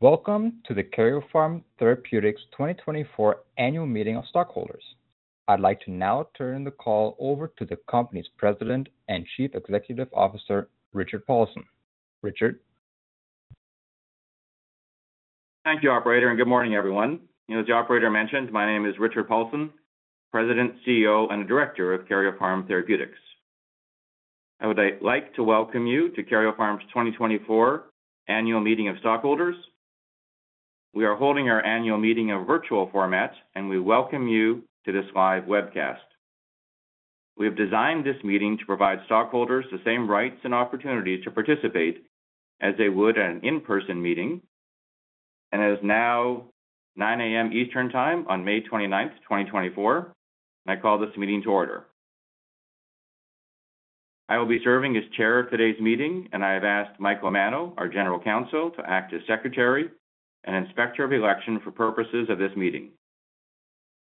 Welcome to the Karyopharm Therapeutics 2024 Annual Meeting of Stockholders. I'd like to now turn the call over to the company's President and Chief Executive Officer, Richard Paulson. Richard? Thank you, operator, and good morning, everyone. As the operator mentioned, my name is Richard Paulson, President, CEO, and Director of Karyopharm Therapeutics. I would like to welcome you to Karyopharm's 2024 Annual Meeting of Stockholders. We are holding our annual meeting in virtual format, and we welcome you to this live webcast. We have designed this meeting to provide stockholders the same rights and opportunities to participate as they would at an in-person meeting. It is now 9:00 A.M. Eastern Time on May 29, 2024, and I call this meeting to order. I will be serving as Chair of today's meeting, and I have asked Mike Mano, our General Counsel, to act as Secretary and Inspector of Election for purposes of this meeting.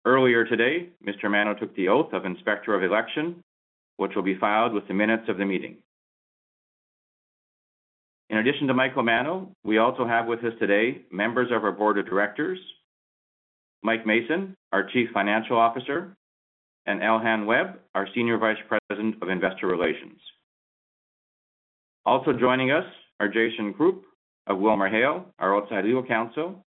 Earlier today, Mr. Mano took the oath of Inspector of Election, which will be filed with the minutes of the meeting. In addition to Michael Mano, we also have with us today members of our Board of Directors, Michael Mason, our Chief Financial Officer, and Elhan Webb, our Senior Vice President of Investor Relations. Also joining us are Jason Kropp of WilmerHale, our outside legal counsel,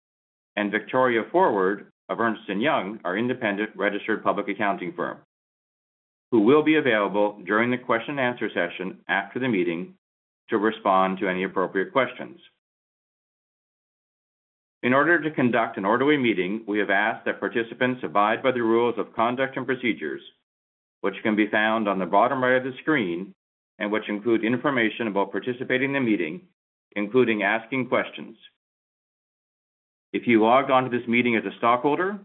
and Victoria Forward of Ernst & Young, our independent registered public accounting firm, who will be available during the question and answer session after the meeting to respond to any appropriate questions. In order to conduct an orderly meeting, we have asked that participants abide by the rules of conduct and procedures, which can be found on the bottom right of the screen and which include information about participating in the meeting, including asking questions. If you logged on to this meeting as a stockholder,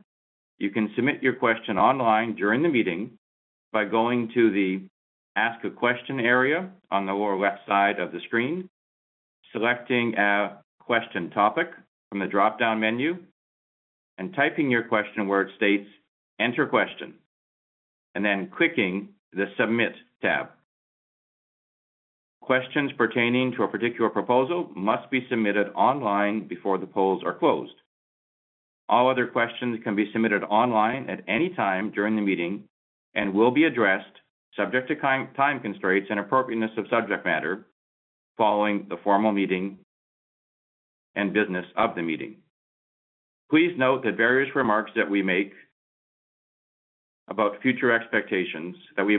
you can submit your question online during the meeting by going to the Ask a Question area on the lower left side of the screen, selecting a question topic from the dropdown menu, and typing your question where it states, "Enter question," and then clicking the Submit tab. Questions pertaining to a particular proposal must be submitted online before the polls are closed. All other questions can be submitted online at any time during the meeting and will be addressed, subject to time constraints and appropriateness of subject matter, following the formal meeting and business of the meeting. Please note that various remarks that we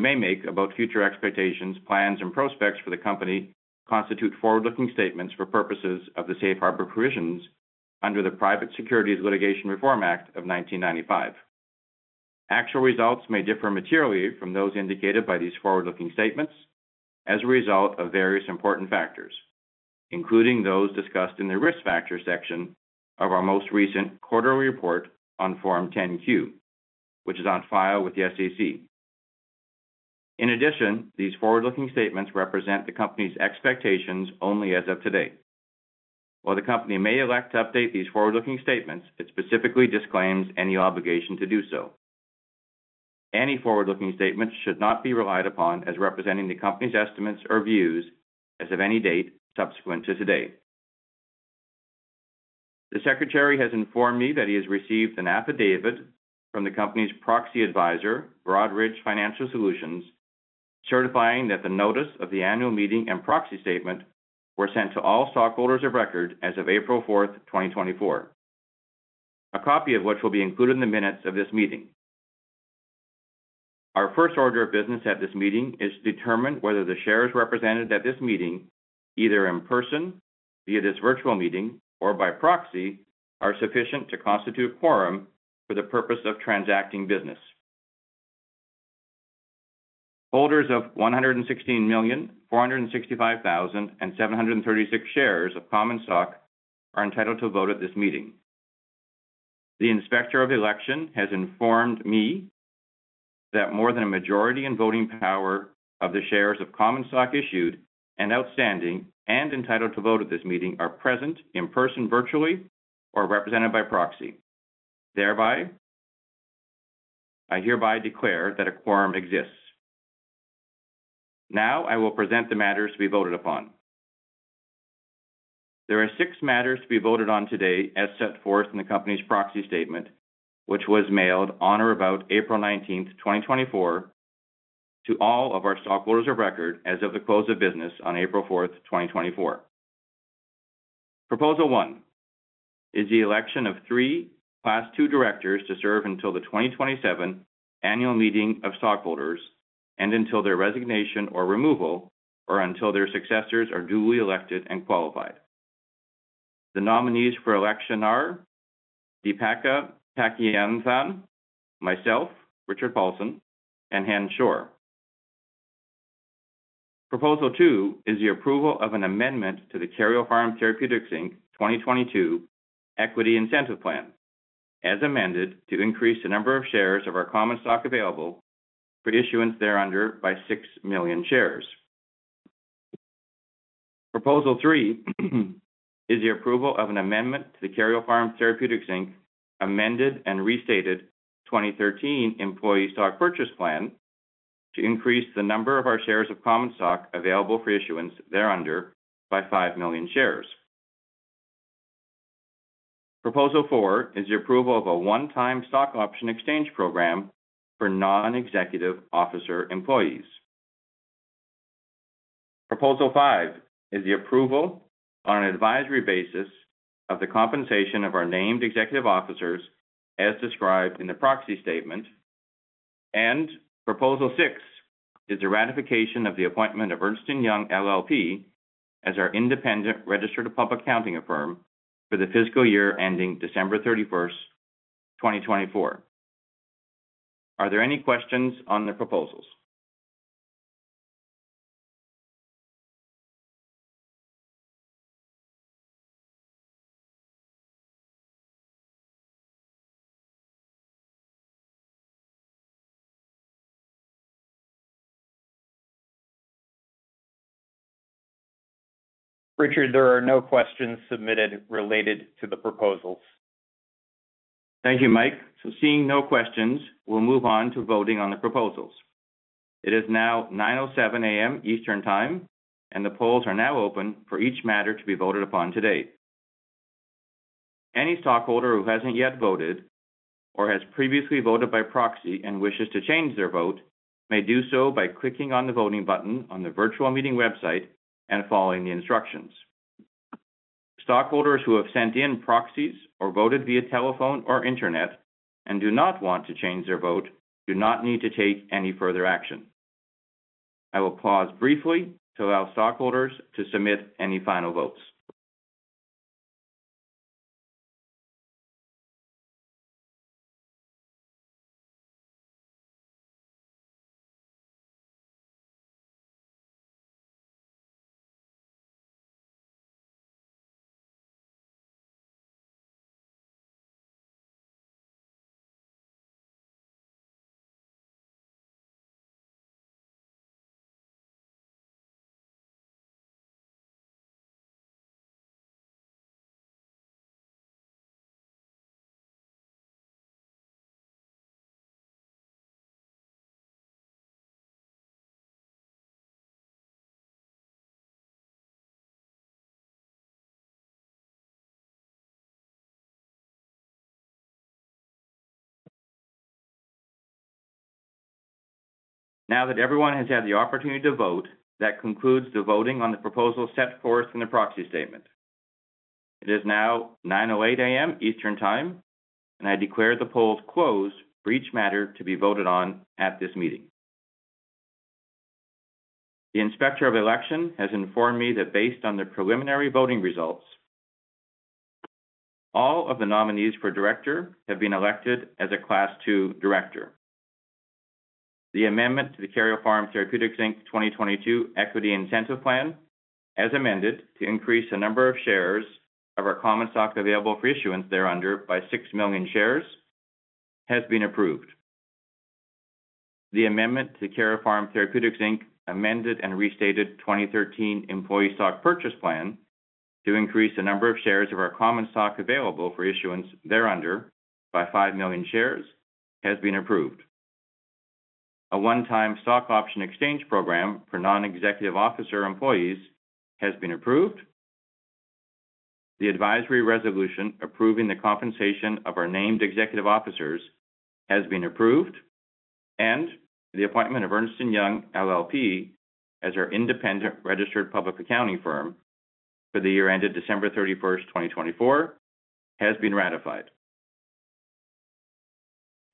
may make about future expectations, plans, and prospects for the company constitute forward-looking statements for purposes of the safe harbor provisions under the Private Securities Litigation Reform Act of 1995. Actual results may differ materially from those indicated by these forward-looking statements as a result of various important factors, including those discussed in the Risk Factors section of our most recent quarterly report on Form 10-Q, which is on file with the SEC. In addition, these forward-looking statements represent the company's expectations only as of today. While the company may elect to update these forward-looking statements, it specifically disclaims any obligation to do so. Any forward-looking statements should not be relied upon as representing the company's expectations or views as of any date subsequent to today. The Secretary has informed me that he has received an affidavit from the company's proxy advisor, Broadridge Financial Solutions, certifying that the notice of the annual meeting and proxy statement were sent to all stockholders of record as of April 4, 2024. A copy of which will be included in the minutes of this meeting. Our first order of business at this meeting is to determine whether the shares represented at this meeting, either in person, via this virtual meeting, or by proxy, are sufficient to constitute a quorum for the purpose of transacting business. Holders of 116,465,736 shares of common stock are entitled to a vote at this meeting. The Inspector of Election has informed me that more than a majority in voting power of the shares of common stock issued and outstanding and entitled to vote at this meeting are present in person, virtually, or represented by proxy. Thereby, I hereby declare that a quorum exists. Now, I will present the matters to be voted upon. There are six matters to be voted on today as set forth in the company's proxy statement, which was mailed on or about April 19, 2024, to all of our stockholders of record as of the close of business on April 4, 2024. Proposal 1 is the election of three Class II directors to serve until the 2027 annual meeting of stockholders and until their resignation or removal, or until their successors are duly elected and qualified. The nominees for election are Deepa Pakianathan, myself, Richard Paulson, and Chen Schor. Proposal 2 is the approval of an amendment to the Karyopharm Therapeutics, Inc. 2022 Equity Incentive Plan, as amended, to increase the number of shares of our common stock available for issuance thereunder by 6 million shares. Proposal 3 is the approval of an amendment to the Karyopharm Therapeutics, Inc. amended and restated 2013 employee stock purchase plan to increase the number of our shares of common stock available for issuance thereunder by 5 million shares. Proposal 4 is the approval of a one-time stock option exchange program for non-executive officer employees. Proposal 5 is the approval on an advisory basis of the compensation of our named executive officers as described in the proxy statement. Proposal 6 is the ratification of the appointment of Ernst & Young LLP as our independent registered public accounting firm for the fiscal year ending December 31, 2024. Are there any questions on the proposals? Richard, there are no questions submitted related to the proposals. Thank you, Mike. So seeing no questions, we'll move on to voting on the proposals. It is now 9:07 A.M. Eastern Time, and the polls are now open for each matter to be voted upon today. Any stockholder who hasn't yet voted or has previously voted by proxy and wishes to change their vote, may do so by clicking on the voting button on the virtual meeting website and following the instructions. Stockholders who have sent in proxies or voted via telephone or internet and do not want to change their vote, do not need to take any further action. I will pause briefly to allow stockholders to submit any final votes. Now that everyone has had the opportunity to vote, that concludes the voting on the proposals set forth in the proxy statement. It is now 9:08 A.M. Eastern Time, and I declare the polls closed for each matter to be voted on at this meeting. The Inspector of Election has informed me that based on the preliminary voting results, all of the nominees for director have been elected as a Class II director. The amendment to the Karyopharm Therapeutics, Inc. 2022 Equity Incentive Plan, as amended, to increase the number of shares of our common stock available for issuance thereunder by 6 million shares, has been approved. The amendment to the Karyopharm Therapeutics, Inc. amended and restated 2013 Employee Stock Purchase Plan to increase the number of shares of our common stock available for issuance thereunder by 5 million shares, has been approved. A one-time stock option exchange program for non-executive officer employees has been approved. The advisory resolution approving the compensation of our named executive officers has been approved, and the appointment of Ernst & Young LLP as our independent registered public accounting firm for the year ended December 31, 2024, has been ratified.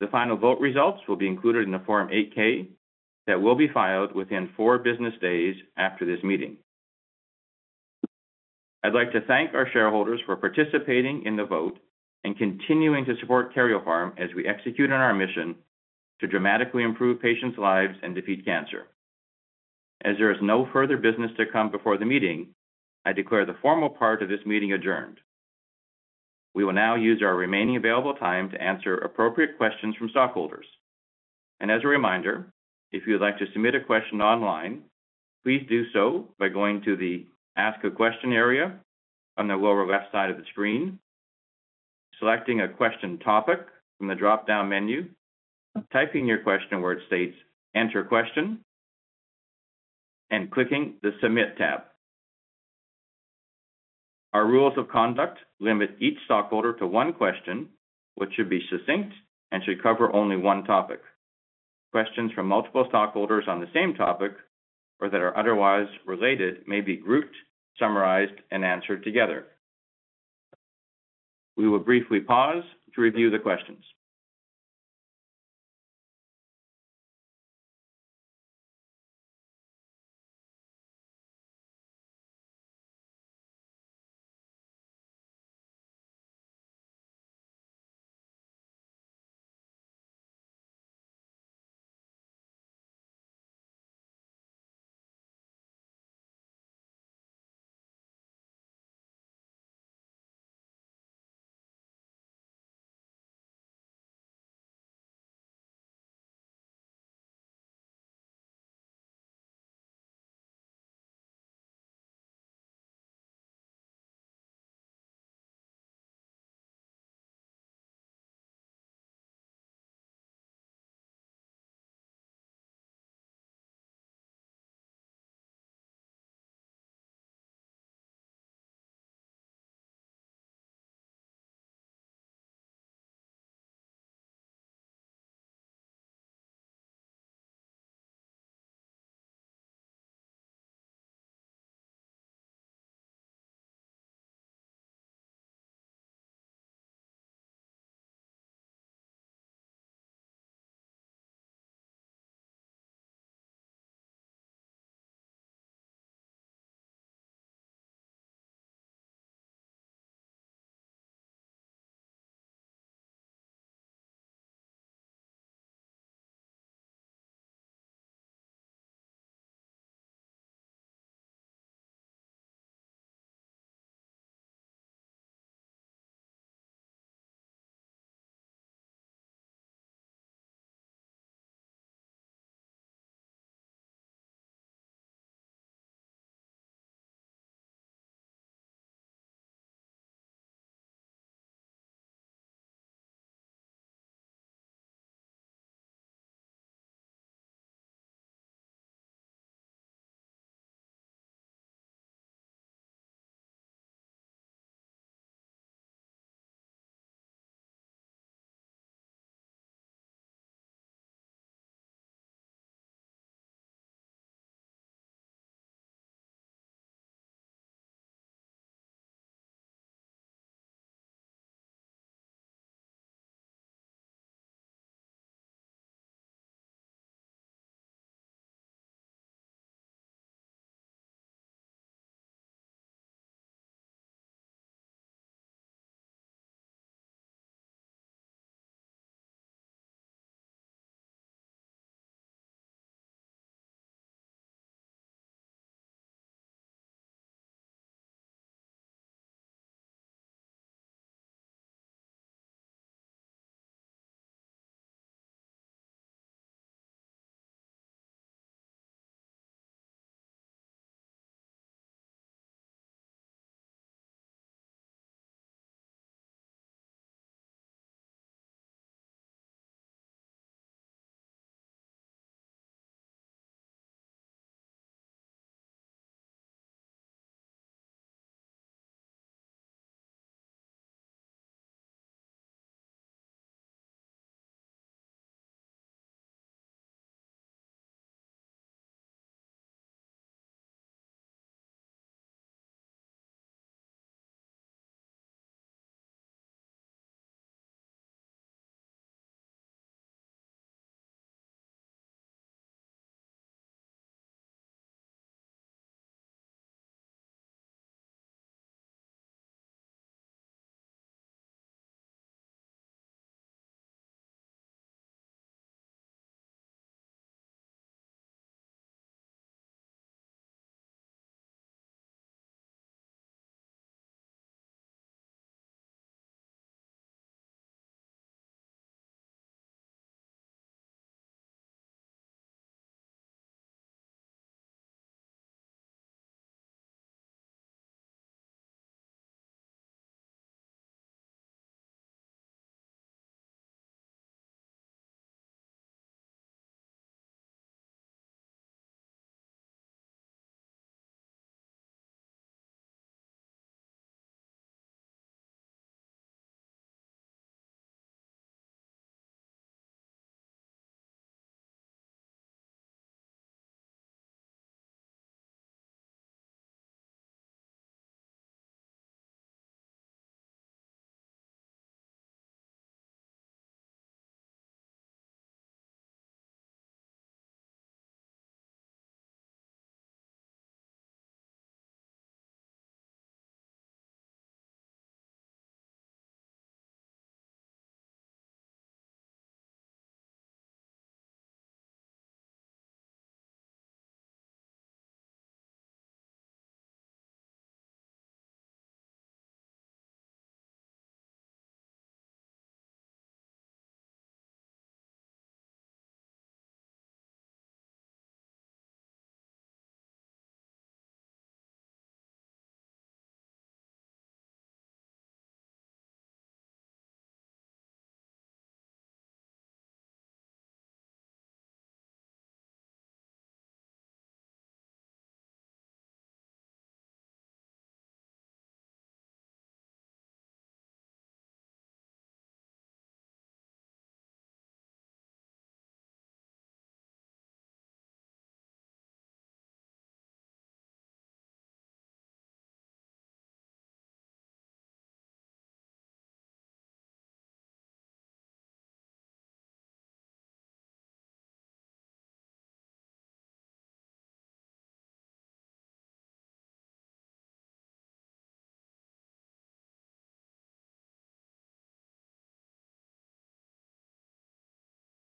The final vote results will be included in the Form 8-K that will be filed within 4 business days after this meeting. I'd like to thank our shareholders for participating in the vote and continuing to support Karyopharm as we execute on our mission to dramatically improve patients' lives and defeat cancer. As there is no further business to come before the meeting, I declare the formal part of this meeting adjourned. We will now use our remaining available time to answer appropriate questions from stockholders. As a reminder, if you would like to submit a question online, please do so by going to the Ask a Question area on the lower left side of the screen, selecting a question topic from the dropdown menu, typing your question where it states: Enter question, and clicking the Submit tab. Our rules of conduct limit each stockholder to one question, which should be succinct and should cover only one topic. Questions from multiple stockholders on the same topic or that are otherwise related, may be grouped, summarized, and answered together. We will briefly pause to review the questions. ...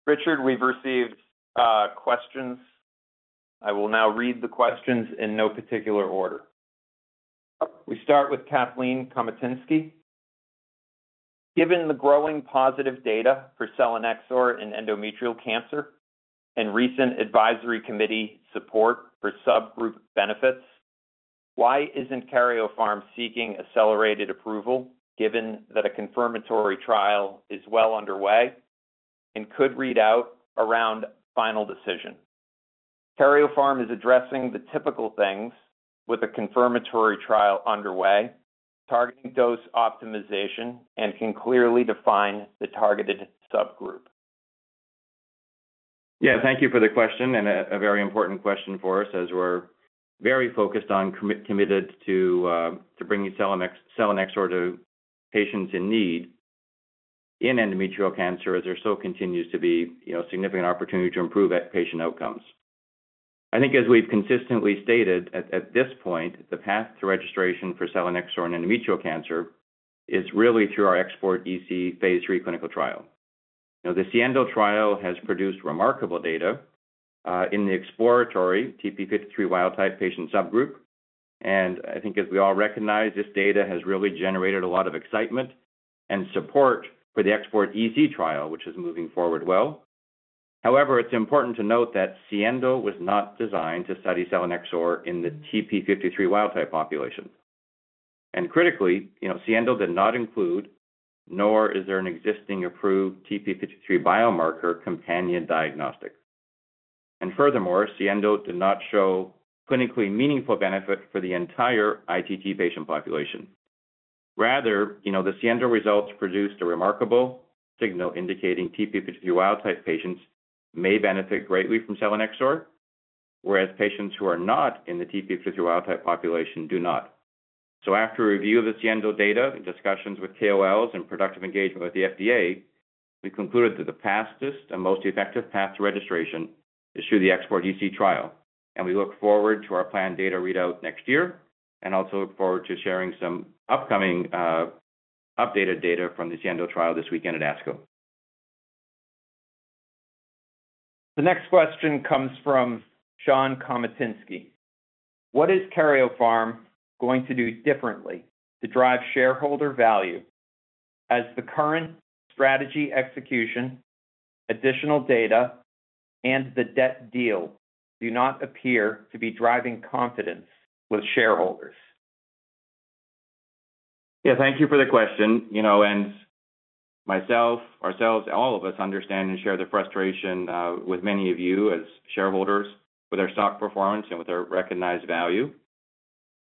Richard, we've received questions. I will now read the questions in no particular order. We start with Kathleen Komatinsky: Given the growing positive data for selinexor in endometrial cancer and recent advisory committee support for subgroup benefits,... Why isn't Karyopharm seeking accelerated approval, given that a confirmatory trial is well underway and could read out around final decision? Karyopharm is addressing the typical things with a confirmatory trial underway, targeting dose optimization, and can clearly define the targeted subgroup. Yeah, thank you for the question, and a very important question for us as we're very focused on committed to bringing selinexor to patients in need in endometrial cancer, as there still continues to be, you know, significant opportunity to improve patient outcomes. I think as we've consistently stated at this point, the path to registration for selinexor in endometrial cancer is really through our XPORT-EC phase III clinical trial. Now, the SIENDO trial has produced remarkable data in the exploratory TP53 wild-type patient subgroup. And I think as we all recognize, this data has really generated a lot of excitement and support for the XPORT-EC trial, which is moving forward well. However, it's important to note that SIENDO was not designed to study selinexor in the TP53 wild-type population. And critically, you know, SIENDO did not include, nor is there an existing approved TP53 biomarker companion diagnostic. And furthermore, SIENDO did not show clinically meaningful benefit for the entire ITT patient population. Rather, you know, the SIENDO results produced a remarkable signal indicating TP53 wild-type patients may benefit greatly from selinexor, whereas patients who are not in the TP53 wild-type population do not. So after a review of the SIENDO data and discussions with KOLs and productive engagement with the FDA, we concluded that the fastest and most effective path to registration is through the XPORT-EC trial, and we look forward to our planned data readout next year, and also look forward to sharing some upcoming updated data from the SIENDO trial this weekend at ASCO. The next question comes from Sean Komatinsky. What is Karyopharm going to do differently to drive shareholder value, as the current strategy execution, additional data, and the debt deal do not appear to be driving confidence with shareholders? Yeah, thank you for the question. You know, and myself, ourselves, all of us understand and share the frustration with many of you as shareholders, with our stock performance and with our recognized value.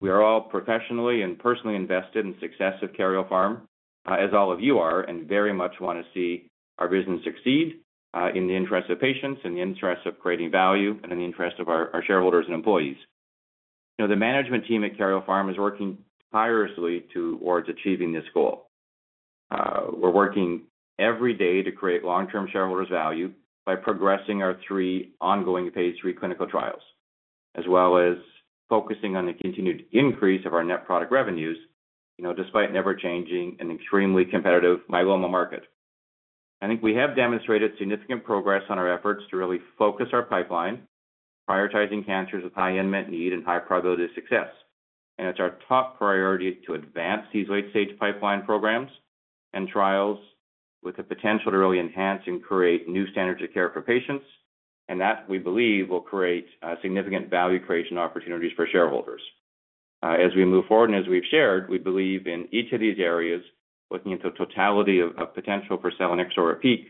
We are all professionally and personally invested in success of Karyopharm, as all of you are, and very much wanna see our business succeed in the interest of patients, in the interest of creating value, and in the interest of our shareholders and employees. You know, the management team at Karyopharm is working tirelessly toward achieving this goal. We're working every day to create long-term shareholders value by progressing our three ongoing phase III clinical trials, as well as focusing on the continued increase of our net product revenues, you know, despite never changing an extremely competitive myeloma market. I think we have demonstrated significant progress on our efforts to really focus our pipeline, prioritizing cancers with high unmet need and high probability of success. And it's our top priority to advance these late-stage pipeline programs and trials with the potential to really enhance and create new standards of care for patients, and that, we believe, will create significant value creation opportunities for shareholders. As we move forward and as we've shared, we believe in each of these areas, looking at the totality of potential for selinexor, XPOVIO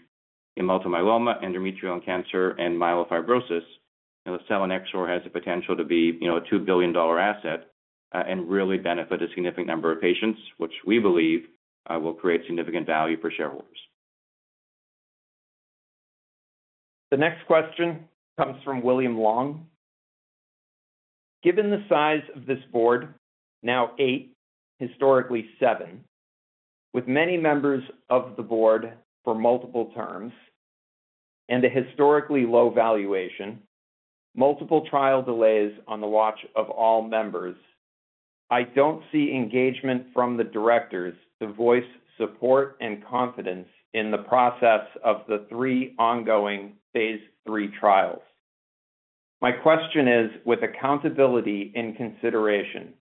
in multiple myeloma, endometrial cancer, and myelofibrosis, you know, selinexor has the potential to be, you know, a $2 billion asset, and really benefit a significant number of patients, which we believe will create significant value for shareholders. The next question comes from William Long: Given the size of this board, now eight, historically seven, with many members of the board for multiple terms and a historically low valuation, multiple trial delays on the watch of all members, I don't see engagement from the directors to voice support and confidence in the process of the three ongoing phase III trials. My question is, with accountability in consideration,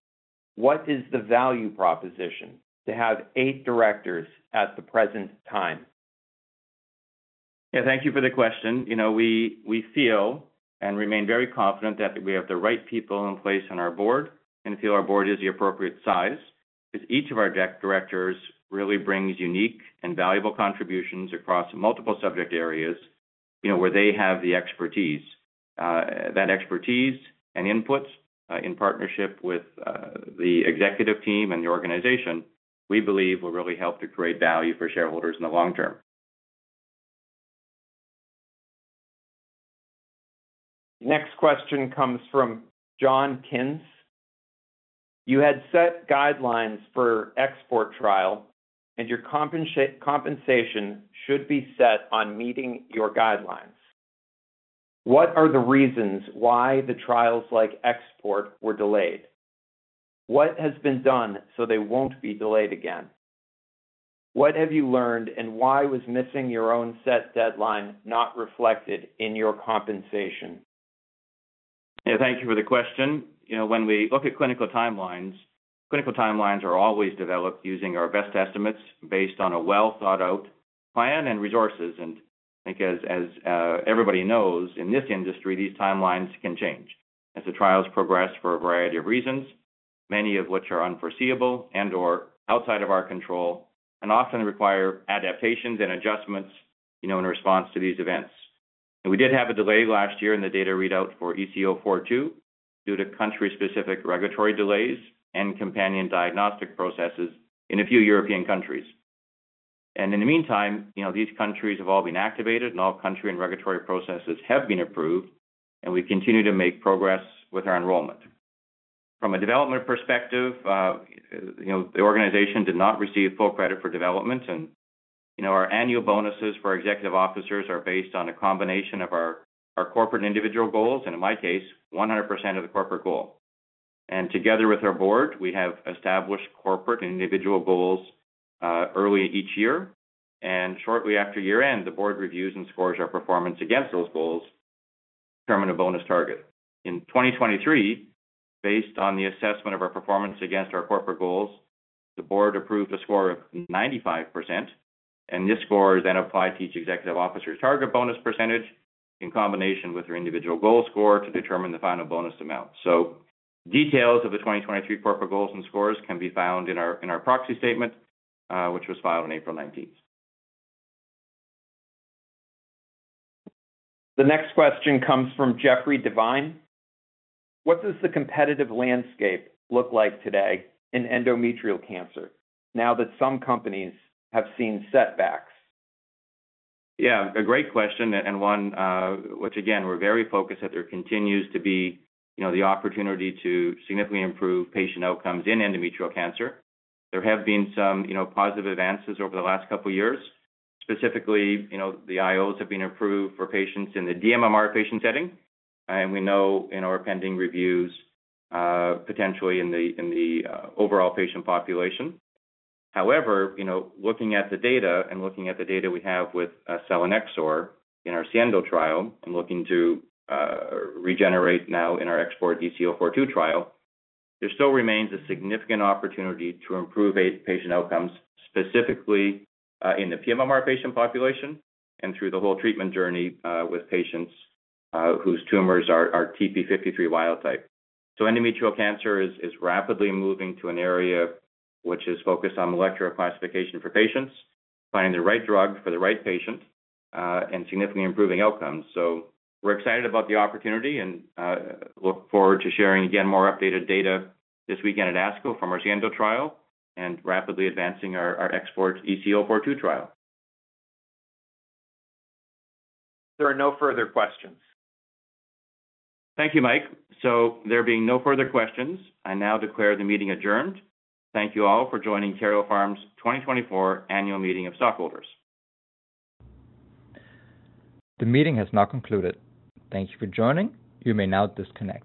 what is the value proposition to have eight directors at the present time? Yeah, thank you for the question. You know, we, we feel and remain very confident that we have the right people in place on our board and feel our board is the appropriate size, because each of our directors really brings unique and valuable contributions across multiple subject areas, you know, where they have the expertise. That expertise and inputs, in partnership with the executive team and the organization, we believe will really help to create value for shareholders in the long term. Next question comes from John Kinds. You had set guidelines for XPORT-EC trial, and your compensation should be set on meeting your guidelines. What are the reasons why the trials like XPORT-EC were delayed? What has been done so they won't be delayed again? What have you learned, and why was missing your own set deadline not reflected in your compensation? Yeah, thank you for the question. You know, when we look at clinical timelines, clinical timelines are always developed using our best estimates based on a well-thought-out plan and resources, because as everybody knows, in this industry, these timelines can change as the trials progress for a variety of reasons, many of which are unforeseeable and or outside of our control, and often require adaptations and adjustments, you know, in response to these events. And we did have a delay last year in the data readout for XPORT-EC-042 due to country-specific regulatory delays and companion diagnostic processes in a few European countries. And in the meantime, you know, these countries have all been activated, and all country and regulatory processes have been approved, and we continue to make progress with our enrollment. From a development perspective, you know, the organization did not receive full credit for development. You know, our annual bonuses for executive officers are based on a combination of our corporate individual goals, and in my case, 100% of the corporate goal. Together with our board, we have established corporate and individual goals early each year, and shortly after year-end, the board reviews and scores our performance against those goals to determine a bonus target. In 2023, based on the assessment of our performance against our corporate goals, the board approved a score of 95%, and this score is then applied to each executive officer's target bonus percentage in combination with their individual goal score to determine the final bonus amount. Details of the 2023 corporate goals and scores can be found in our proxy statement, which was filed on April 19. The next question comes from Jeffrey Divine: What does the competitive landscape look like today in endometrial cancer, now that some companies have seen setbacks? Yeah, a great question, and one, which again, we're very focused, that there continues to be, you know, the opportunity to significantly improve patient outcomes in endometrial cancer. There have been some, you know, positive advances over the last couple of years. Specifically, you know, the IOs have been approved for patients in the dMMR patient setting, and we know in our pending reviews, potentially in the, in the, overall patient population. However, you know, looking at the data, and looking at the data we have with selinexor in our SIENDO trial and looking to regenerate now in our XPORT-EC-042 trial, there still remains a significant opportunity to improve patient outcomes, specifically in the pMMR patient population and through the whole treatment journey with patients whose tumors are TP53 wild type. So endometrial cancer is rapidly moving to an area which is focused on molecular classification for patients, finding the right drug for the right patient and significantly improving outcomes. So we're excited about the opportunity and look forward to sharing, again, more updated data this weekend at ASCO from our SIENDO trial, and rapidly advancing our XPORT-EC-042 trial. There are no further questions. Thank you, Mike. So there being no further questions, I now declare the meeting adjourned. Thank you all for joining Karyopharm Therapeutics's 2024 Annual Meeting of Stockholders. The meeting has now concluded. Thank you for joining. You may now disconnect.